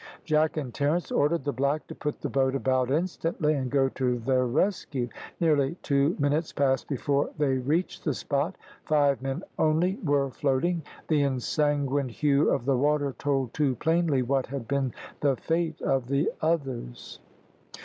Jack and Terence ordered the black to put the boat about instantly, and go to their rescue. Nearly two minutes passed before they reached the spot. Five men only were floating. The ensanguined hue of the water told too plainly what had been the fate of the others.